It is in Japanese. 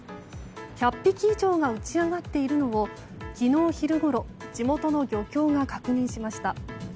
１００匹以上が打ち揚がっているのを昨日昼ごろ地元の漁協が確認しました。